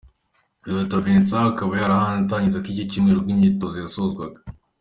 Biruta Vincent akaba yahabaye atangiza iki cyumweru ubwo imyitozo yasozwaga.